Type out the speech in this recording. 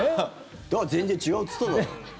だから全然違うって言っただろ。